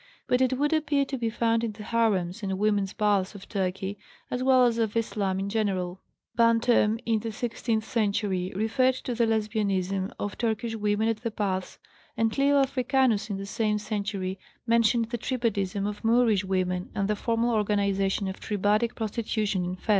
But it would appear to be found in the harems and women's baths of Turkey, as well as of Islam generally. Brantôme in the sixteenth century referred to the Lesbianism of Turkish women at the baths, and Leo Africanus in the same century mentioned the tribadism of Moorish women and the formal organization of tribadic prostitution in Fez.